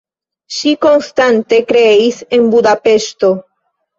Ŝi konstante kreis en Budapeŝto.